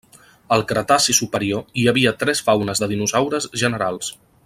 Al Cretaci superior hi havia tres faunes de dinosaures generals.